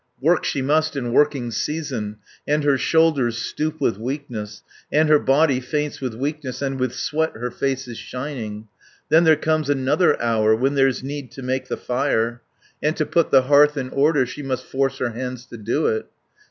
320 "Work she must in working season, And her shoulders stoop with weakness, And her body faints with weakness, And with sweat her face is shining. Then there comes another hour When there's need to make the fire, And to put the hearth in order, She must force her hands to do it.